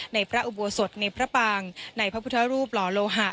ในพระอุโบสถในพระปางในพระพุทธรูปหล่อโลหะ